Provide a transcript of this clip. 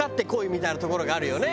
みたいなところがあるよね。